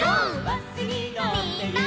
みんなで！